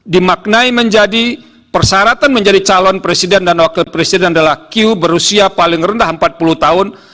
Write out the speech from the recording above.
dimaknai menjadi persyaratan menjadi calon presiden dan wakil presiden adalah q berusia paling rendah empat puluh tahun